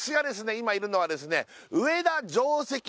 今いるのはですね